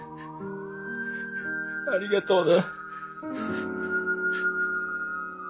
ありがとうな。